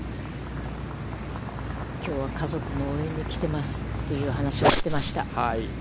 きょうは家族も応援に来てますという話をしていました。